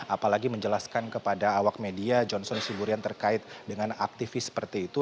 apalagi menjelaskan kepada awak media johnson siburian terkait dengan aktivis seperti itu